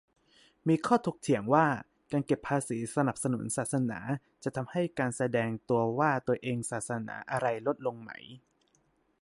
มีข้อถกเถียงว่า การเก็บภาษีสนับสนุนศาสนา จะทำให้การแสดงตัวว่าตัวเองศาสนาอะไรลดลงไหม